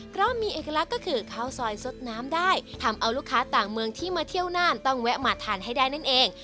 เพราะมีเอกลักษณ์ก็คือข้าวซอยสดน้ำได้ทำเอาลูกค้าต่างเมืองที่มาเที่ยวน่านต้องแวะมาทานให้ได้นั่นเอง